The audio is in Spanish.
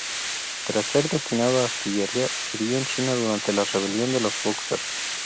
Tras ser destinado a artillería, sirvió en China durante la Rebelión de los Bóxers.